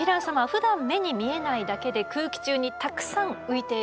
ふだん目に見えないだけで空気中にたくさん浮いているんです。